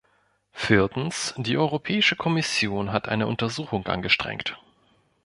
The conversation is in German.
Viertens, die Europäische Kommission hat eine Untersuchung angestrengt.